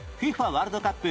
ワールドカップ